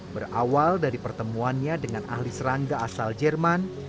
berawal dari pertemuannya dengan ahli serangga asal jerman